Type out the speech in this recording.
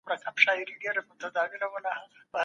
رښتیا ویل انسان ژغوري.